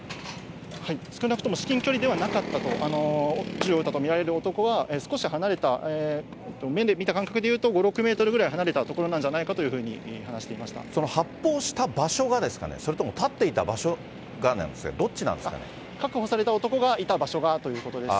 少なくとも至近距離ではなかったと、銃を撃ったと見られる男は、少し離れた、目で見た感覚でいうと、５、６メートルぐらい離れた所なんじゃないかというふうに話していま発砲した場所がですかね、それとも立っていた場所がなんですか、確保された男がいた場所がということです。